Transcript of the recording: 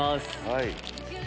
はい。